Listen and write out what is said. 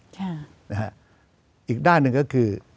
จะพิจารณาคม